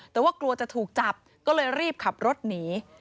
แต่ว่ากลัวจะถูกจับก็เลยรีบขับรถหนี